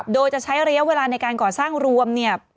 โดยจะใช้ระยะเวลาในการก่อสร้างรวมเนี่ย